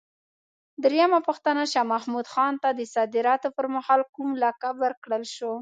درېمه پوښتنه: شاه محمود خان ته د صدارت پر مهال کوم لقب ورکړل شو؟